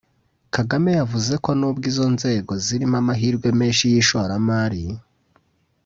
Kagame yavuze ko nubwo izo nzego zirimo amahirwe menshi y’ishoramari